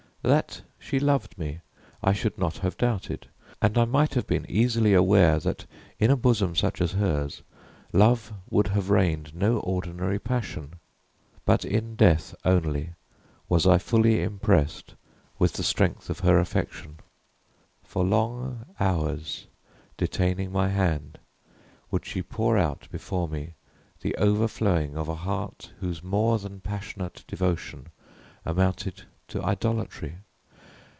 That she loved me I should not have doubted; and I might have been easily aware that, in a bosom such as hers, love would have reigned no ordinary passion. But in death only was I fully impressed with the strength of her affection. For long hours, detaining my hand, would she pour out before me the overflowing of a heart whose more than passionate devotion amounted to idolatry.